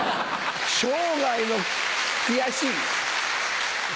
生涯の悔しい！